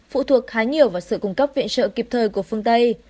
phụ thuộc khá nhiều vào sự cung cấp viện trợ kịp thời của phương tây